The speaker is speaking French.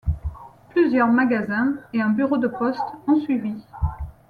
Plusieurs magasins et un bureau de poste ont suivi.